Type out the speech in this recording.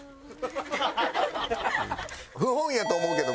不本意やと思うけど。